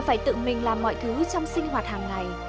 phải tự mình làm mọi thứ trong sinh hoạt hàng ngày